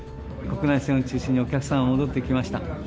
国内線を中心にお客さん戻ってきました。